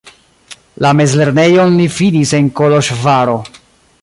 La mezlernejon li finis en Koloĵvaro.